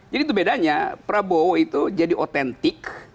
jadi itu bedanya prabowo itu jadi authentic